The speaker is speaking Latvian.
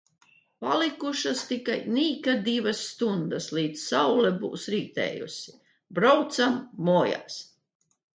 Palikušas tikai nieka divas stundas līdz saule būs rietējusi. Braucam mājās.